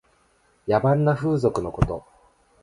野蛮な風俗のこと。